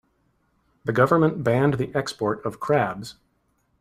The government banned the export of crabs.